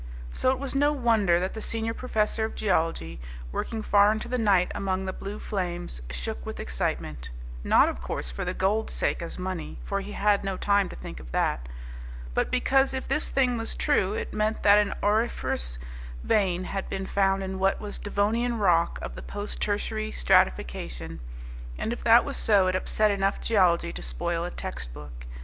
So it was no wonder that the senior professor of geology working far into the night among the blue flames shook with excitement; not, of course, for the gold's sake as money (he had no time to think of that), but because if this thing was true it meant that an auriferous vein had been found in what was Devonian rock of the post tertiary stratification, and if that was so it upset enough geology to spoil a textbook.